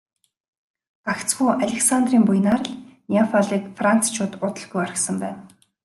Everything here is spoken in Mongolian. Гагцхүү Александрын буянаар л Неаполийг францчууд удалгүй орхисон байна.